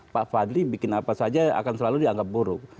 pak fadli bikin apa saja akan selalu dianggap buruk